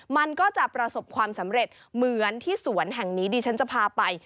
มันก็จะประสบความสำเร็จเหมือนที่สวนแห่งนี้ดิฉันจะพาไป